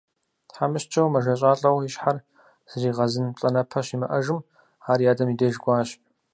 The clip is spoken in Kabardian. ТхьэмыщкӀэу, мэжэщӀалӀэу, и щхьэр зригъэзын плӀанэпэ щимыӀэжым, ар и адэм и деж кӏуащ.